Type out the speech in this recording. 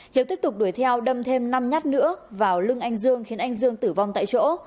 hiếu tiếp tục đuổi theo đâm thêm năm nhát nữa vào lưng anh dương khiến anh dương tử vong tại chỗ